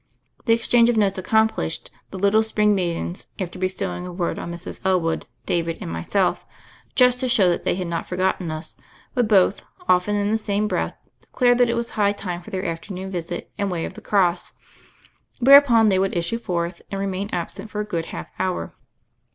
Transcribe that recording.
The exchange of notes accomplished, the little spring maidens, after bestowing a word on Mrs. Elwood, David, and myself, just to show that they had not forgotten us, would both, often in the same breath, declare that it was high time for their afternoon visit and Way of the Cross; whereupon they would issue forth and remain absent for a good half hour.